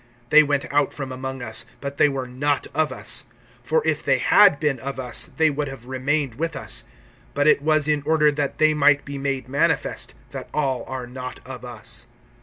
(19)They went out from among us, but they were not of us; for if they had been of us, they would have remained with us; but it was in order that they might be made manifest, that all are not of us.